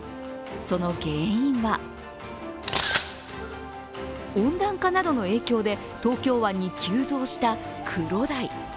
その原因は温暖化などの影響で東京湾に急増したクロダイ。